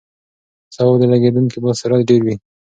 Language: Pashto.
سبا به د لګېدونکي باد سرعت ډېر وي.